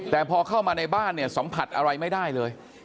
แต่พอเข้ามาในบ้านเนี่ยสัมผัสอะไรไม่ได้เลย